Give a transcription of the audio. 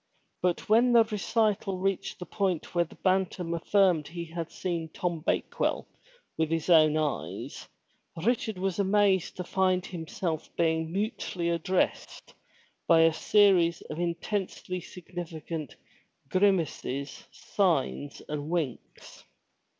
But when the recital reached the point where the Bantam affirmed he had seen Tom Bakewell with his own eyes, Richard was amazed to find himself being mutely addressed by a series of intensely significant grimaces, signs and winks.